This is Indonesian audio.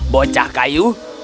bocah kayu mau pergi